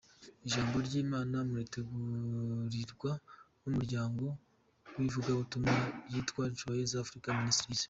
Ijambo ry’Imana muritegurirwa n’umuryango w’ivugabutumwa witwa Rejoice Africa Ministries.